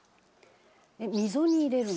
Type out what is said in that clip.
「溝に入れるの？」